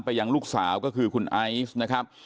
ยังลูกสาวก็คือคุณไอซ์นะครับ